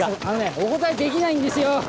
あのねお答えできないんですよ。